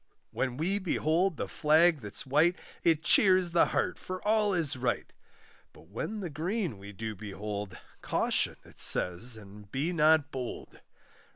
When we behold the flag that's white, It cheers the heart, for all is right; But when the green we do behold, Caution, it says, and be not bold.